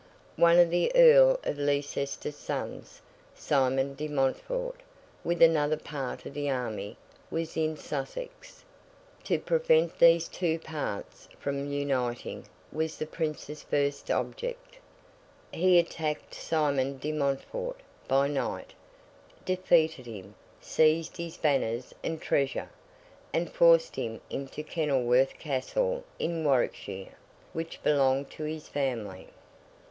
One of the Earl of Leicester's sons, Simon de Montfort, with another part of the army, was in Sussex. To prevent these two parts from uniting was the Prince's first object. He attacked Simon de Montfort by night, defeated him, seized his banners and treasure, and forced him into Kenilworth Castle in Warwickshire, which belonged to his family.